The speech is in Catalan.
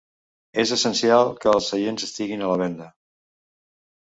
És essencial que els seients estiguin a la venda.